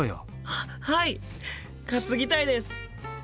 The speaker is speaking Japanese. あっはい担ぎたいです！